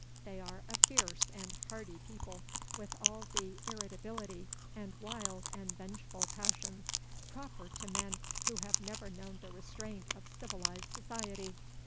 They are a fierce and hardy people, with all the irritability, and wild and vengeful passions, proper to men who have never known the restraint of civilized society.